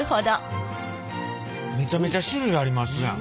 めちゃめちゃ種類ありますやん。